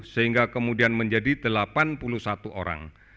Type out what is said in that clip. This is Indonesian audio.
sehingga kemudian menjadi delapan puluh satu orang